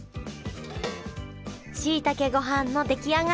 しいたけごはんの出来上がりやりました